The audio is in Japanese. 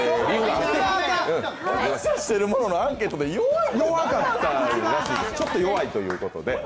感謝しているもののアンケ−トでちょっと弱いということで。